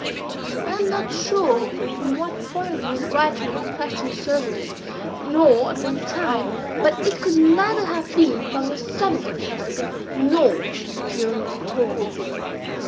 I am not sure from what point of view the writer in question surveyed it, nor at what time; but it could neither have been from the summit of Helseggen, nor during a storm.